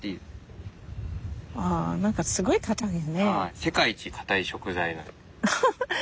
世界一かたい食材なんです。